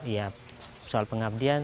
ya soal pengabdian